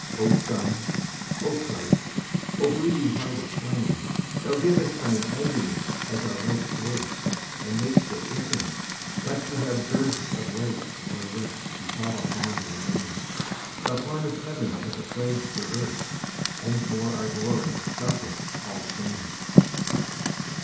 O Sun, O Christ, O bleeding Heart of flame! Thou giv'st Thine agony as our life's worth, And mak'st it infinite, lest we have dearthOf rights wherewith to call upon thy Name; Thou pawnest Heaven as a pledge for Earth, And for our glory sufferest all shame.